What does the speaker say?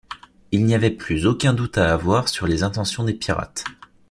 Il n’y avait plus aucun doute à avoir sur les intentions des pirates